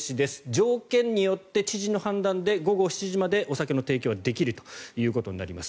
条件によって知事の判断で午後７時までお酒の提供はできるということになります。